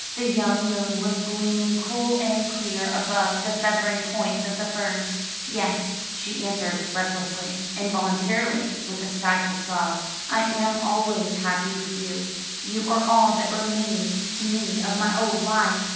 The young moon was gleaming cool and clear above the feathering points of the firs. "Yes," she answered recklessly, involuntarily, with a stifled sob, "I am always happy with you. You are all that remains to me of my old life."